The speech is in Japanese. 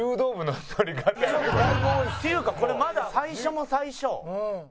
「っていうかこれまだ最初も最初」